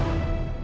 aku mau pergi